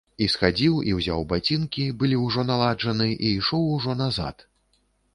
І схадзіў, і ўзяў бацінкі, былі ўжо наладжаны, і ішоў ужо назад.